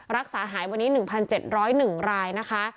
รักษาหายวันนี้๑๗๐๑รายนะคะ